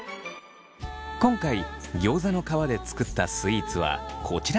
今回ギョーザの皮で作ったスイーツはこちらの２品。